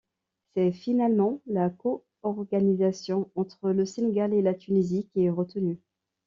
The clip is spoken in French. C'est finalement la co-organisation entre le Sénégal et la Tunisie qui est retenue.